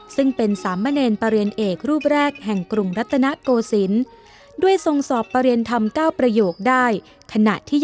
ซึ่งเป็นสามมะเนรประเรียนเอกรูปแรกแห่งกรุงรัฐณะโกศิลป์ด้วยทรงศอบประเรียนธรรมเก้าประโยคได้